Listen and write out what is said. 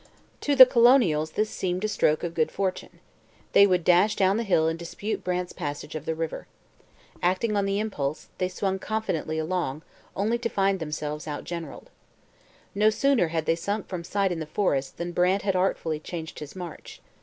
To the colonials this seemed a stroke of good fortune. They would dash down the hill and dispute Brant's passage of the river. Acting on the impulse, they swung confidently along, only to find themselves outgeneralled. No sooner had they sunk from sight in the forest than Brant had artfully changed his march.